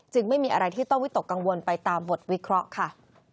ไม่มีอะไรที่ต้องวิตกกังวลไปตามบทวิเคราะห์ค่ะ